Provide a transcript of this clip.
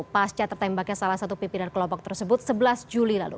pasca tertembaknya salah satu pimpinan kelompok tersebut sebelas juli lalu